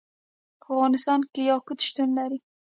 په افغانستان کې یاقوت شتون لري.